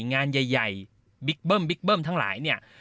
งานใหญ่บิ๊กเบิ้มทั้งหลายเนี่ย